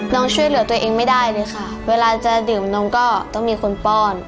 ช่วยเหลือตัวเองไม่ได้เลยค่ะเวลาจะดื่มน้องก็ต้องมีคนป้อน